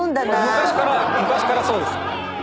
昔から昔からそうです。